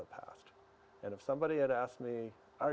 pada akhir proses doktrin musik saya